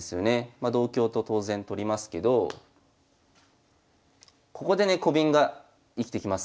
ま同香と当然取りますけどここでねコビンが生きてきます。